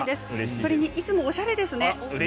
それにいつもおしゃれですね。